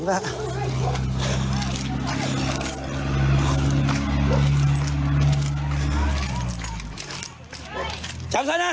เจ้าแม่น้ำเจ้าแม่น้ำ